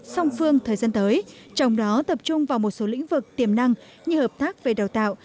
song phương thời gian tới trong đó tập trung vào một số lĩnh vực tiềm năng như hợp tác về đào tạo